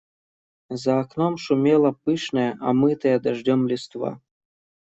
За окном шумела пышная, омытая дождем листва.